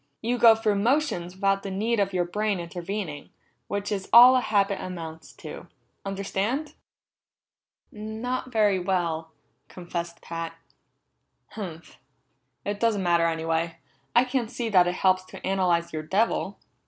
You go through motions without the need of your brain intervening, which is all a habit amounts to. Understand?" "Not very well," confessed Pat. "Humph! It doesn't matter anyway. I can't see that it helps to analyze your devil."